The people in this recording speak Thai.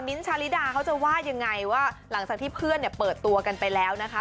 ชาลิดาเขาจะว่ายังไงว่าหลังจากที่เพื่อนเนี่ยเปิดตัวกันไปแล้วนะคะ